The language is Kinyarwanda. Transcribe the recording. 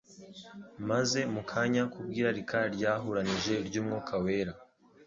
Maze mu kanya, k'ubw'irarika ryahuranije ry'Umwuka Wera,